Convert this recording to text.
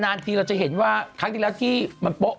ทีเราจะเห็นว่าครั้งที่แล้วที่มันโป๊ะ